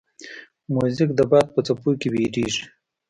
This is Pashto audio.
موزیک د باد په څپو کې ویریږي.